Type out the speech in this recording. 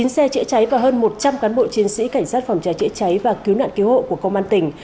chín xe chữa cháy và hơn một trăm linh cán bộ chiến sĩ cảnh sát phòng cháy chữa cháy và cứu nạn cứu hộ của công an tỉnh